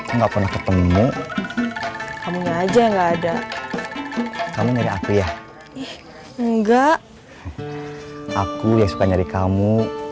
enggak pernah ketemu kamunya aja nggak ada kamu nyari aku ya enggak aku ya suka nyari kamu